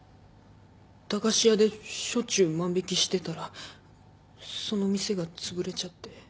駄菓子屋でしょっちゅう万引してたらその店がつぶれちゃって。